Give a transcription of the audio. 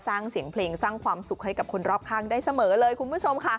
สร้างเสียงเพลงสร้างความสุขให้กับคนรอบข้างได้เสมอเลยคุณผู้ชมค่ะ